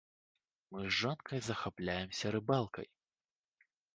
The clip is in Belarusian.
Мы з жонкай захапляемся рыбалкай.